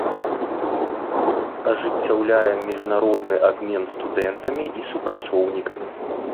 Ажыццяўляе міжнародны абмен студэнтамі і супрацоўнікамі.